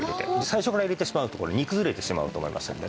最初から入れてしまうとこれ煮崩れてしまうと思いますのでね。